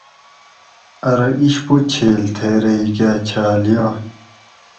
ارو اِشپو چھیل تھٔی رہ ھیکاۤ چھال یائ